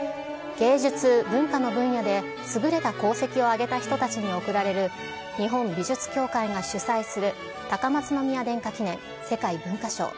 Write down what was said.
芸術文化の分野で優れた功績を挙げた人たちに贈られる日本美術協会が主催する高松宮殿下記念世界文化賞。